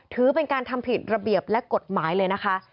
ถือเป็นการทำผิดระเบียบและกฎหมายเลยนะคะ